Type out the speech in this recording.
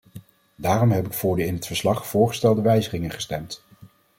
Daarom heb ik voor de in het verslag voorgestelde wijzigingen gestemd.